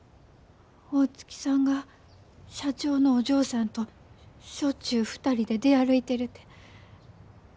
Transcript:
大月さんが社長のお嬢さんとしょっちゅう２人で出歩いてるて。